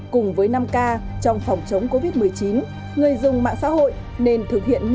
cùng với năm k trong phòng chống covid một mươi chín người dùng mạng xã hội nên thực hiện nghiêm